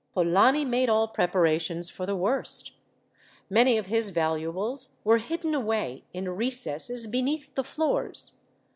Polani made all preparations for the worst. Many of his valuables were hidden away, in recesses beneath the floors.